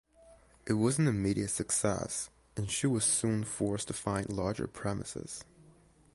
It was an immediate success and she was soon forced to find larger premises.